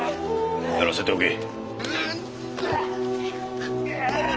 やらせておけ。